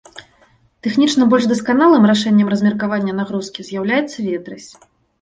Тэхнічна больш дасканалым рашэннем размеркавання нагрузкі з'яўляецца ветразь.